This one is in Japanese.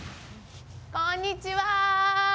こんにちは。